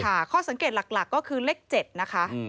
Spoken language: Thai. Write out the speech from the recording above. ข้อสังเกตหลักก็คือเลข๗นะคะ